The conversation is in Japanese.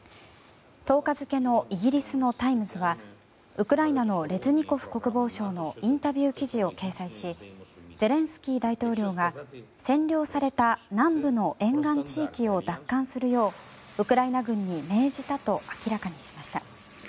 １０日付のイギリスの「タイムズ」はウクライナのレズニコフ国防相のインタビュー記事を掲載しゼレンスキー大統領が占領された南部の沿岸地域を奪還するようウクライナ軍に命じたと明らかにしました。